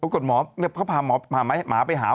เขาพาหมาไปหามอ